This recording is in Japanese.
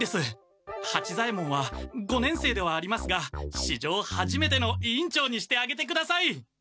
八左ヱ門は五年生ではありますがしじょうはじめての委員長にしてあげてください！